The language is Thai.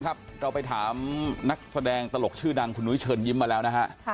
ครับเราไปถามนักแสดงตลกชื่อดังคุณนุ้ยเชิญยิ้มมาแล้วนะฮะ